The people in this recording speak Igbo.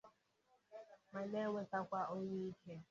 ma na-ewetekwa ọnwụ ike.